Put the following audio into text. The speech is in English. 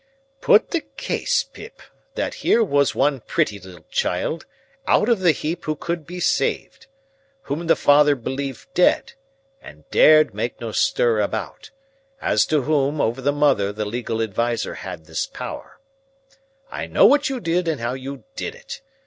"Put the case, Pip, that here was one pretty little child out of the heap who could be saved; whom the father believed dead, and dared make no stir about; as to whom, over the mother, the legal adviser had this power: "I know what you did, and how you did it.